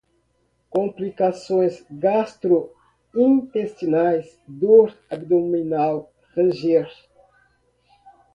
pressão arterial, complicações gastrointestinais, dor abdominal, ranger, involuntário